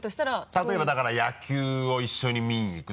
例えばだから野球を一緒に見に行く。